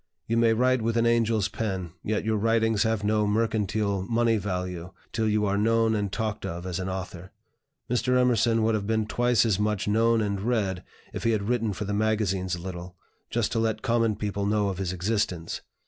You may write with an angel's pen, yet your writings have no mercantile money value till you are known and talked of as an author. Mr. Emerson would have been twice as much known and read, if he had written for the magazines a little, just to let common people know of his existence.